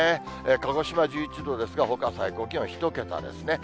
鹿児島１１度ですが、ほか最高気温は１桁ですね。